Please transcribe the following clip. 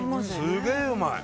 すげえうまい！